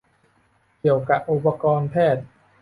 เกี่ยวกะอุปกรณ์แพทย์ ?